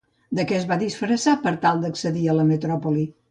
De què es va disfressar per tal d'accedir a la metròpoli?